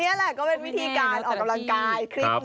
นี่แหละก็เป็นวิธีการออกกำลังกายคลิป